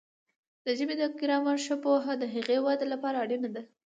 د ژبې د ګرامر ښه پوهه د هغې د وده لپاره اړینه ده.